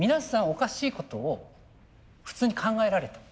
おかしいことを普通に考えられてる。